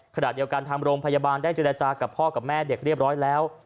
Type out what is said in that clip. ขณะเดียวกันทางโรงพยาบาลได้เจรจากับพ่อกับแม่เด็กเรียบร้อยแล้ว